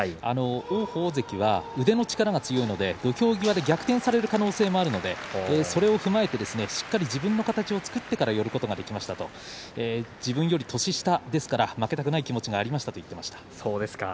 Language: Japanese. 王鵬関は腕の力が強いので土俵際で逆転される可能性もあるのでそれを踏まえてしっかり自分の形を作ってから寄ることができましたと自分より年下ですから負けたくない気持ちがありましたと言っていました。